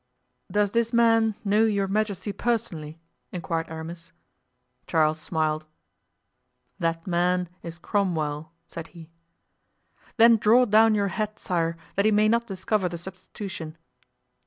"Does this man know your majesty personally?" inquired Aramis. Charles smiled. "That man is Cromwell," said he. "Then draw down your hat, sire, that he may not discover the substitution."